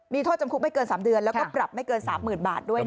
มีโทษจำคุกไม่เกิน๓เดือนแล้วก็ปรับไม่เกิน๓๐๐๐บาทด้วย